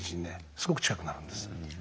すごく近くなるんです。